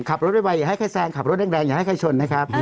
ขับรถไวอย่าให้ใครแซงขับรถแรงอย่าให้ใครชนนะครับ